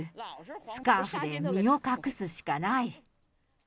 スカーフで身を隠すしかない。